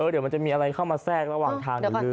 เดี๋ยวมันจะมีอะไรเข้ามาแทรกระหว่างทางหรือ